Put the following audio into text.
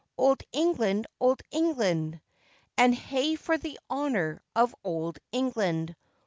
Old England! old England! And hey for the honour of old England!